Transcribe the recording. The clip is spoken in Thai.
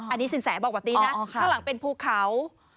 อันนี้สินแสบอกแบบนี้นะข้างหลังเป็นภูเขา